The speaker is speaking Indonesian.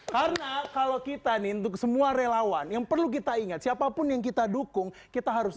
karena kalau kita nintuk semua relawan yang perlu kita ingat siapapun yang kita dukung kita harus